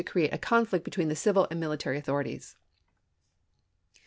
crea^ a conflict between the civil and military AugMs.1864' authorities.